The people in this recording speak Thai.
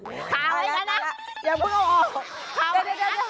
เอาหัวไปแหละ